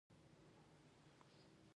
د تورخم بندر تر ټولو بوخت بندر دی